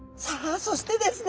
そしてですね